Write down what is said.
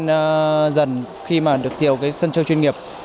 nhưng dần khi mà được thiểu cái sân chơi chuyên nghiệp